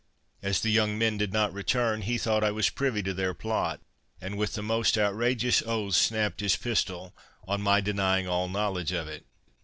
As the young men did not return, he thought I was privy to their plot, and, with the most outrageous oaths, snapped his pistol, on my denying all knowledge of it.